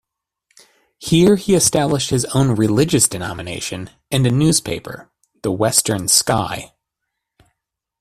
Here he established his own religious denomination and a newspaper, "The western sky".